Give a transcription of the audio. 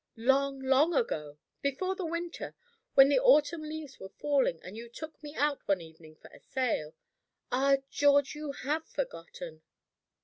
"Long, long ago! Before the winter. When the autumn leaves were falling, and you took me out one evening for a sail. Ah, George, you have forgotten!"